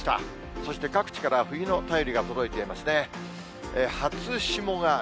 そして各地から、冬の便りが届いていますね。